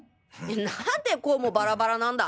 何でこうもバラバラなんだ？